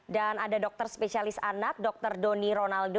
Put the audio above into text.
dan ada dokter spesialis anak dokter doni ronaldo